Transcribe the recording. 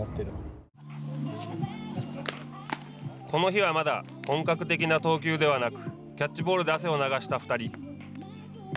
この日はまだ本格的な投球ではなくキャッチボールで汗を流した２人。